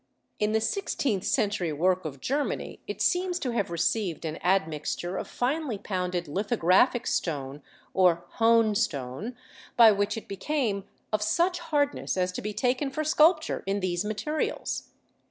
In the sixteenth century work of Germany it seems to have received an admixture of finely pounded lithographic stone, or hone stone, by which it became of such hardness as to be taken for sculpture in these materials.